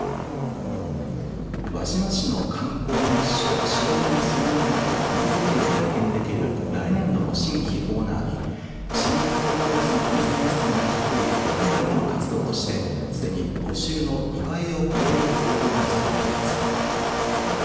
輪島市の観光名所白米の千枚田で米作りを体験できる来年度の新規オーナーに新型コロナウイルスの感染リスクが低い屋外での活動としてすでに募集の２倍を超える応募が寄せられています。